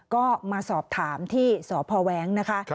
ก็มาสอบถามที่สพแว้งนะคะ